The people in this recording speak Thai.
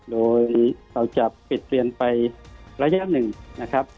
โดยเราจะปิดเรียนไประยะหนึ่งนะครับ